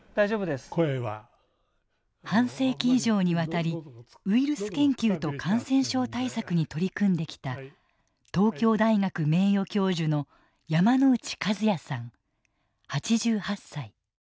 半世紀以上にわたりウイルス研究と感染症対策に取り組んできた東京大学名誉教授の山内一也さん８８歳。